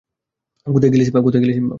কোথায় গেলি, সিম্বা?